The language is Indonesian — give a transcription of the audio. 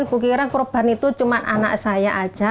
kukira korban itu cuma anak saya saja